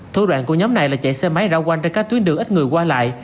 thu đoạn của nhóm này là chạy xe máy rão quanh trên các tuyến đường ít người qua lại